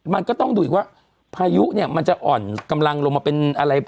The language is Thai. มันก็ต้องดูอีกว่าพายุเนี่ยมันจะอ่อนกำลังลงมาเป็นอะไร